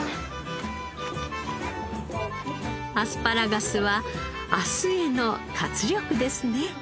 アスパラガスは明日への活力ですね。